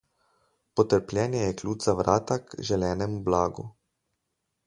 Potrpljenje je ključ za vrata k želenemu blagu.